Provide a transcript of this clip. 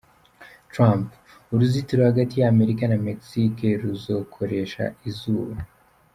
Trump: Uruzitiro hagati ya Amerika na Mexique ruzokoresha izuba.